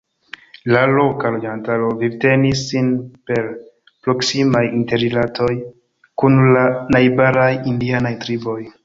La loka loĝantaro vivtenis sin per proksimaj interrilatoj kun la najbaraj indianaj triboj.